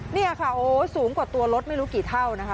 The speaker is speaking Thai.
นี่ค่ะโอ้สูงกว่าตัวรถไม่รู้กี่เท่านะคะ